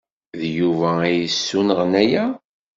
D Yuba ay d-yessunɣen aya?